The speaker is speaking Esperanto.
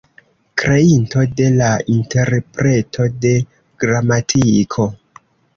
Kreinto de "La Interpreto de Gramatiko".